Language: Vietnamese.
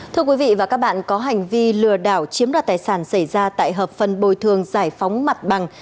thưa quý vị và các bạn có hành vi lừa đảo chiếm đoạt tài sản xảy ra tại hợp phần bồi thường giải phóng mặt bằng